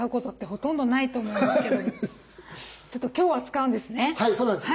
ちょっと今日は使うんですね。